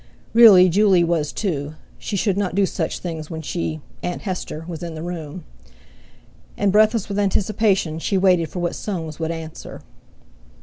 Really Juley was too—she should not do such things when she—Aunt Hester, was in the room; and, breathless with anticipation, she waited for what Soames would answer.